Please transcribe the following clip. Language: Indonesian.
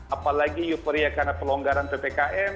apalagi euforia karena pelonggaran ppkm